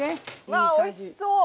わあおいしそう！